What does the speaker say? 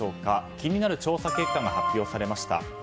気になる調査結果が発表されました。